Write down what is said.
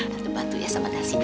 tante bantu ya sama tante ya